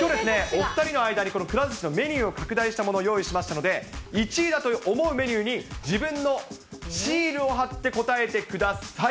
お２人の間に、くら寿司のメニューを拡大したもの、用意しましたので、１位だと思うメニューに、自分のシールを貼って答えてください。